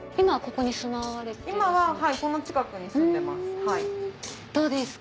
今はこの近くに住んでます。